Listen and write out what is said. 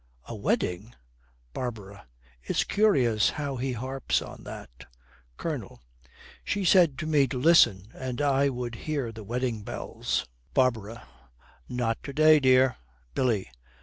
'A wedding?' BARBARA. 'It's curious how he harps on that.' COLONEL. 'She said to me to listen and I would hear the wedding bells.' BARBARA. 'Not to day, dear.' BILLY.